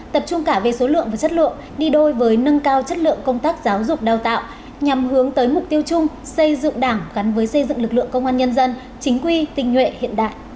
tập trung cả về số lượng và chất lượng đi đôi với nâng cao chất lượng công tác giáo dục đào tạo nhằm hướng tới mục tiêu chung xây dựng đảng gắn với xây dựng lực lượng công an nhân dân chính quy tình nhuệ hiện đại